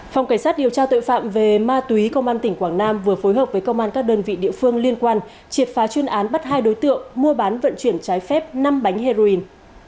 phòng cảnh sát điều tra tội phạm về ma túy công an tỉnh quảng nam vừa phối hợp với công an các đơn vị địa phương liên quan triệt phá chuyên án bắt hai đối tượng mua bán vận chuyển trái phép năm bánh heroin